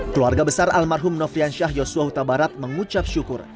keluarga besar almarhum noviansyah yosua huta barat mengucap syukur